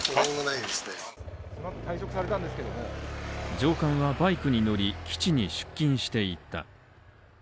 上官はバイクに乗り、基地に出勤していった。